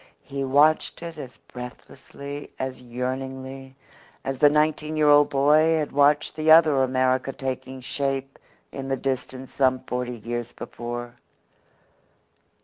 He watched it as breathlessly, as yearningly, as the nineteen year old boy had watched the other America taking shape in the distance some forty years before.